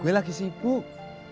gue lagi sibuk